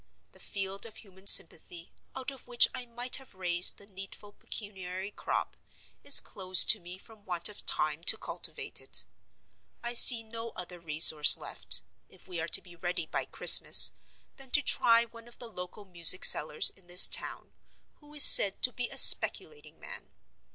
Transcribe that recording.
The field of human sympathy, out of which I might have raised the needful pecuniary crop, is closed to me from want of time to cultivate it. I see no other resource left—if we are to be ready by Christmas—than to try one of the local music sellers in this town, who is said to be a speculating man.